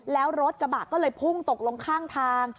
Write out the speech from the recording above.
แล้วรถกระบะก็เลยพุ่งตกลงข้างทาง